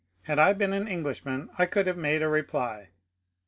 Had I been an Englishman I could have made a reply.